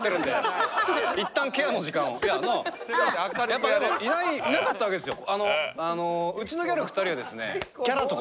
やっぱでもいなかったわけですよ。